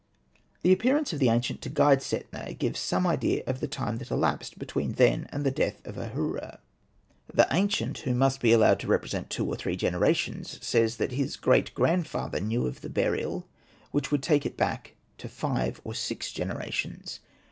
The appearance of the ancient to guide Setna gives some idea of the time that elapsed between then and the death of Ahura. The ancient, who must be allowed to represent two or three generations, says that his great grandfather knew of the burial, which would take it back to five or six genera tions.